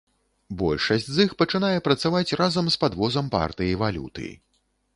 Большасць з іх пачынае працаваць разам з падвозам партыі валюты.